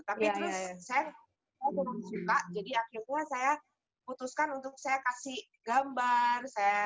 tapi terus saya turun suka jadi akhirnya saya putuskan untuk saya kasih gambar